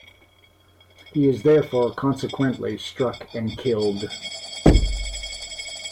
He is therefore consequently struck and killed.